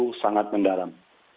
itu sangat mendalam